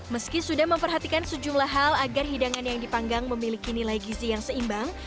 meski sudah memperhatikan sejumlah hal agar hidangan yang dipanggang memiliki nilai gizi yang seimbang